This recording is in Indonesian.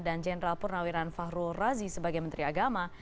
dan jenderal purnawiran fahrul razi sebagai menteri agama